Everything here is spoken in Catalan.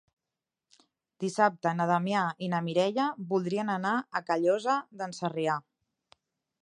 Dissabte na Damià i na Mireia voldrien anar a Callosa d'en Sarrià.